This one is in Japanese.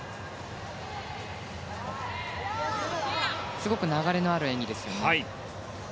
すごく流れのある演技ですね。